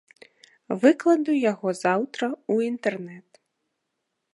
Выкладу яго заўтра ў інтэрнэт.